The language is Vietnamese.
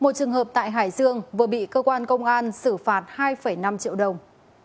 một trường hợp tại hải dương vừa bị cơ quan công an xử phạt hai năm triệu đồng